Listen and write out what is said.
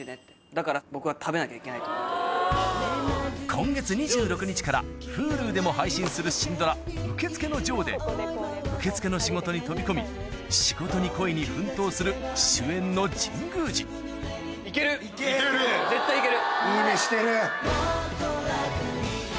今月２６日からＨｕｌｕでも配信するシンドラ『受付のジョー』で受付の仕事に飛び込み仕事に恋に奮闘する主演の神宮寺行ける行ける行ける。